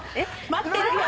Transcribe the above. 待ってるよ！